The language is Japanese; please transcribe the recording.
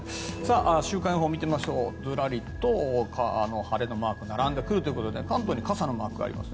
週間予報を見るとずらりと晴れのマークが並んでくるということで関東に傘のマークがあります。